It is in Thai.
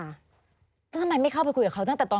แล้วทำไมไม่เข้าไปคุยกับเขาตั้งแต่ตอน